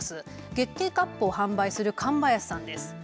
月経カップを販売する神林さんです。